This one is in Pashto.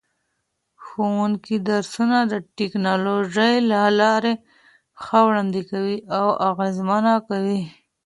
ښوونکي درسونه د ټکنالوژۍ له لارې ښه وړاندې کوي او اغېزمنه کوي.